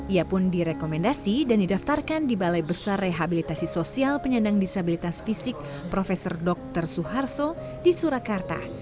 ia pun direkomendasi dan didaftarkan di balai besar rehabilitasi sosial penyandang disabilitas fisik prof dr suharto di surakarta